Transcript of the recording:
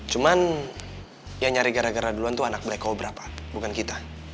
cuman yang nyari gara gara duluan itu anak black cobra pak bukan kita